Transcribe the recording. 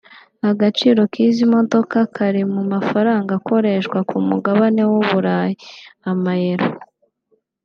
Agaciro k’izi modoka kari mu mafaranga akoreshwa ku mugabane w’Uburayi (Amayero/Euros)